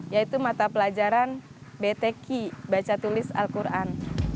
yaitu mata pelajaran btq baca tulis al quran